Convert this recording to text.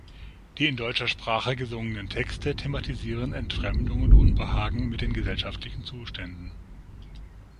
Die in deutscher Sprache gesungenen Texte thematisieren Entfremdung und Unbehagen mit den gesellschaftlichen Zuständen.